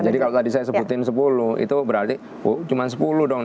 jadi kalau tadi saya sebutin sepuluh itu berarti cuma sepuluh dong